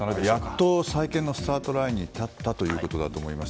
やっと再建のスタートラインに立ったということだと思います。